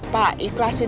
pak ikhlasin aja pak